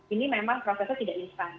ini memang prosesnya tidak instan